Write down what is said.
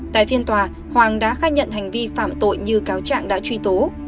tại phiên tòa hoàng đã khai nhận hành vi phạm tội như cáo trạng đã truy tố